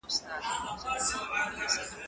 هغه څوک چي مځکه کري حاصل اخلي؟